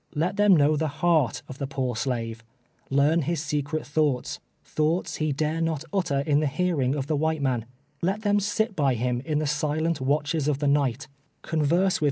Let them kimw the At ar^ of the poor slave — learn, his secret thoughts — thoughts he dare not utter in the hearing of the white man ; let them sit by him in the silent watches of the night — converse with THE LOVE OF FREEDOM.